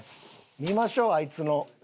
見ましょうあいつの。